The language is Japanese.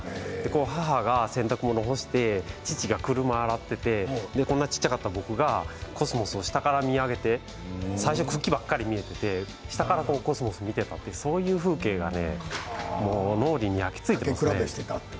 母が洗濯物を干して父が車を洗っていて小さかった僕がコスモスを下から見上げて最初は茎ばかりで下からコスモスを見ていたという風景が脳裏に焼き付いています。